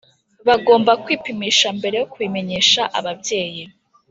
bagomba kwipimisha mbere yo kubimenyesha ababyeyi.